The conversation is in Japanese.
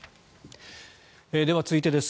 では、続いてです。